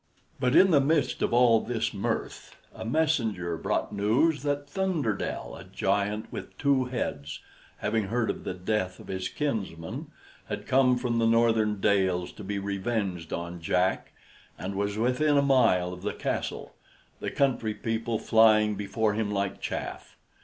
But in the midst of all this mirth a messenger brought news that Thunderdell, a giant with two heads, having heard of the death of his kinsman, had come from the northern dales to be revenged on Jack, and was within a mile of the castle, the country people flying before him like chaff.